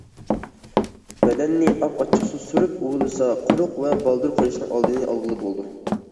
بەدەننى ئاق ئاچچىقسۇ سۈرۈپ ئۇۋىلىسا، قورۇق ۋە بالدۇر قېرىشنىڭ ئالدىنى ئالغىلى بولىدۇ.